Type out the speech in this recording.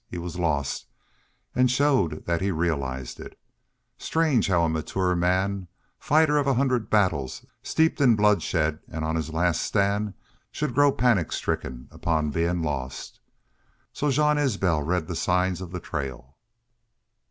He was lost, and showed that he realized it. Strange how a matured man, fighter of a hundred battles, steeped in bloodshed, and on his last stand, should grow panic stricken upon being lost! So Jean Isbel read the signs of the trail.